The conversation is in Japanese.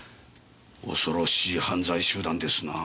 恐ろしい犯罪集団ですなあ。